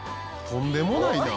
「とんでもないな」